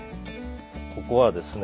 ここはですね